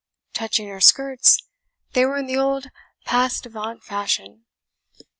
Touching her skirts, they were in the old pass devant fashion."